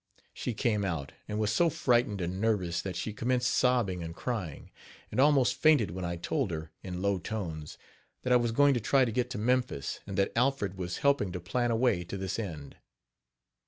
She came out, and was so frightened and nervous that she commenced sobbing and crying, and almost fainted when I told her, in low tones, that I was going to try to get to Memphis, and that Alfred was helping to plan a way to this end.